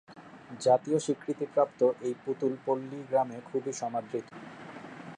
জাতীয় স্বীকৃতিপ্রাপ্ত এই পুতুল পল্লী গ্রামে খুবই সমাদৃত।